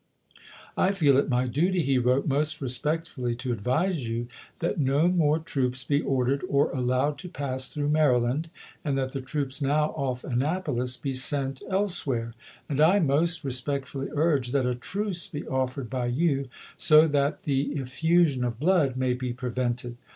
"I feel it my duty," he wrote, " most respectfully to advise you that no more troops be ordered or allowed to pass through Maryland, and that the troops now off Annapolis be sent elsewhere; and I most re spectfully urge that a truce be offered by you, so that the effusion of blood may be prevented.